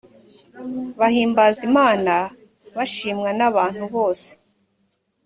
bahimbaza imana bashimwa n abantu bose